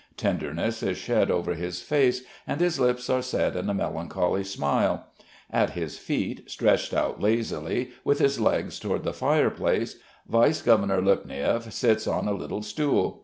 Tenderness is shed over his face, and his lips are set in a melancholy smile. At his feet, stretched out lazily, with his legs towards the fire place, Vice Governor Lopniev sits on a little stool.